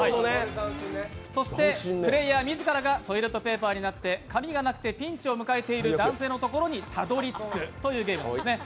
そして、プレーヤー自らがトイレットペーパーになって紙がなくてピンチを迎えている男性のところにたどり着くというゲームですね。